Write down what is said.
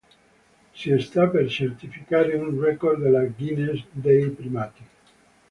Si sta per certificare un record della Guinness dei primati.